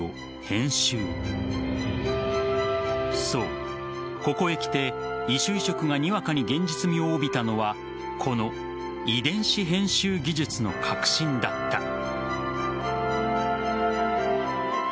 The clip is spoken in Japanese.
そう、ここへきて異種移植がにわかに現実味を帯びたのはこの遺伝子編集技術の革新だった。